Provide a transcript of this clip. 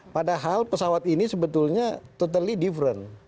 padahal pesawat ini sebetulnya totally different